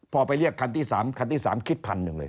พอไปเรียกคันที่๓คันที่๓คิดพันหนึ่งเลย